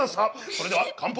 それでは乾杯！